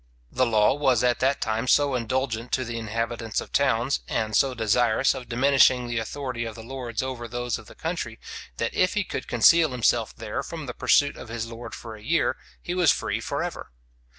The law was at that time so indulgent to the inhabitants of towns, and so desirous of diminishing the authority of the lords over those of the country, that if he could conceal himself there from the pursuit of his lord for a year, he was free for ever.